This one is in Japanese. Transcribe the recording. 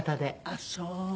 あっそう。